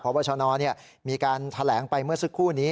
เพราะว่าชานอมีการแถลงไปเมื่อสักครู่นี้